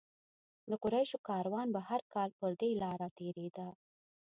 د قریشو کاروان به هر کال پر دې لاره تېرېده.